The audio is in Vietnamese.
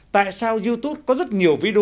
tại sao youtube có rất nhiều video